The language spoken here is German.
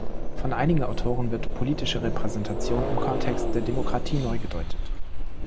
Von einigen Autoren wird politische Repräsentation im Kontext der Demokratie neu gedeutet.